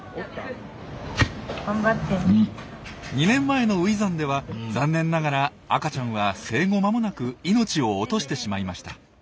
２年前の初産では残念ながら赤ちゃんは生後まもなく命を落としてしまいました。